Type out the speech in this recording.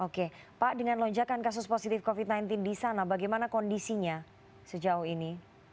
oke pak dengan lonjakan kasus positif covid sembilan belas di sana bagaimana kondisinya sejauh ini